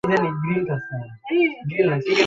এর মধ্য দিয়ে প্রথম অধিকারের আঘাত আনে তারা ভাষার উপর।